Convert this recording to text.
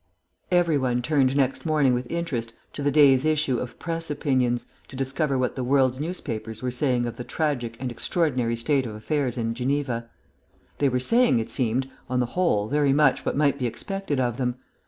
34 Every one turned next morning with interest to the day's issue of "Press Opinions" to discover what the world's newspapers were saying of the tragic and extraordinary state of affairs in Geneva. They were saying, it seemed, on the whole, very much what might be expected of them.